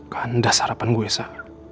kandas harapan gue sa